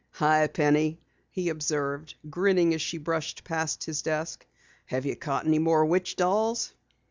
"Hi, Penny!" he observed, grinning as she brushed past his desk. "Have you caught any more witch dolls?"